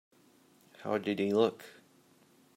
How did he look?